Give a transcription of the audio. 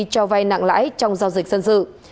cho vay nặng lãi trong giao dịch dân sự